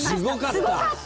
すごかった！